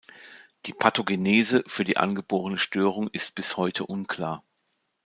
Die Pathogenese für die angeborene Störung ist bis heute unklar.